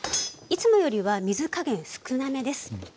いつもよりは水加減少なめです。